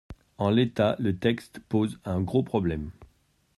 En l’état, le texte pose un gros problème.